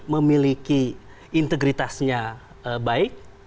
memiliki integritasnya baik